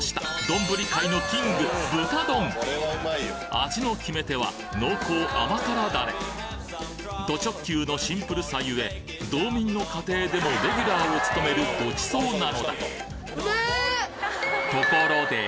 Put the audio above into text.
どんぶり界のキング味の決め手は濃厚甘辛ダレド直球のシンプルさゆえ道民の家庭でもレギュラーを務めるごちそうなのだ